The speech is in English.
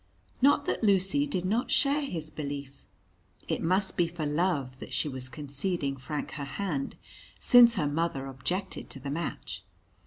Not that Lucy did not share his belief. It must be for love that she was conceding Frank her hand since her mother objected to the match.